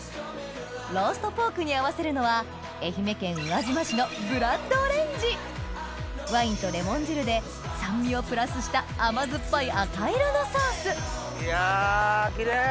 ローストポークに合わせるのは愛媛県宇和島市のブラッドオレンジワインとレモン汁で酸味をプラスした甘酸っぱい赤色のソースいやキレイ！